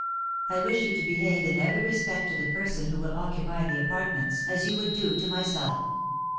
I wish you to behave in every respect to the person who will occupy the apartments as you would do to myself.